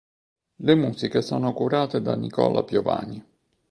Le musiche sono curate da Nicola Piovani.